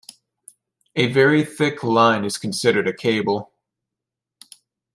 A very thick line is considered a cable.